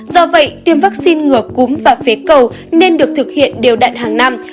do vậy tiêm vaccine ngừa cúm và phế cầu nên được thực hiện đều đạn hàng năm